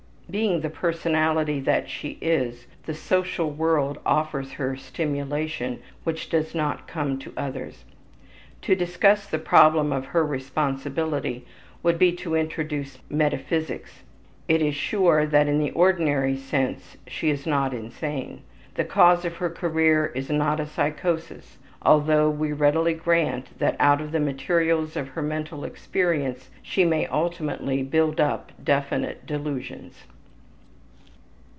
Being the personality that she is, the social world offers her stimulation which does not come to others. To discuss the problem of her responsibility would be to introduce metaphysics it is sure that in the ordinary sense she is not insane. The cause of her career is not a psychosis, although we readily grant that out of the materials of her mental experience she may ultimately build up definite delusions.